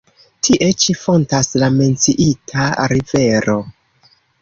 Tie ĉi fontas la menciita rivero.